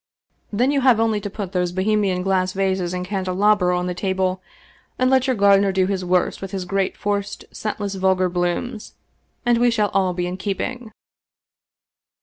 Then you have only to put those Bohemian glass vases and candelabra on the table, and let your gardener do his worst with his great forced, scentless, vulgar blooms, and we shall all be in keep ing."